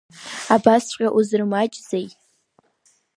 Абасҵәҟьа узырмаҷзеи?